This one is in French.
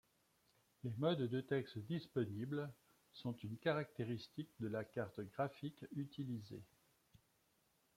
Les modes de texte disponibles sont une caractéristique de la carte graphique utilisé.